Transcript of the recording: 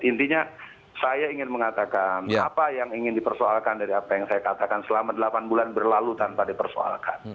intinya saya ingin mengatakan apa yang ingin dipersoalkan dari apa yang saya katakan selama delapan bulan berlalu tanpa dipersoalkan